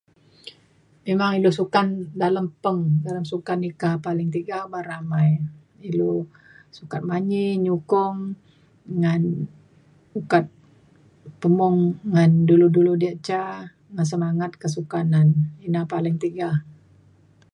memang ilu sukan dalem peng dalam sukaneka paling tiga beramai ilu sukat manyi nyukong ngan ukat pemung ngan dulu dulu diak ca ngan semangat kesukanan ina paling tiga